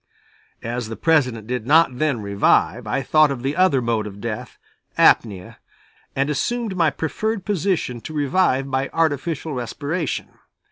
As the President did not then revive, I thought of the other mode of death, apnoea, and assumed my preferred position to revive by artificial respiration.